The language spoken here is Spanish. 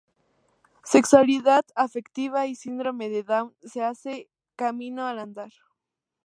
Sexualidad, afectividad y Síndrome de Down: se hace camino al andar.